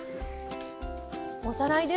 おさらいです。